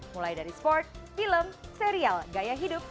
mulai dari sport film serial gaya hidup